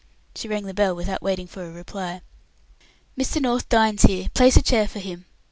(She rang the bell without waiting for a reply.) "Mr. North dines here; place a chair for him.